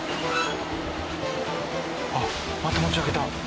あっまた持ち上げた。